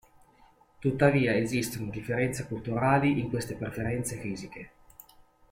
Tuttavia esistono differenze culturali in queste preferenze fisiche.